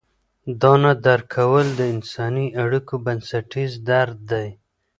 دا نه درک کول د انساني اړیکو بنسټیز درد دی.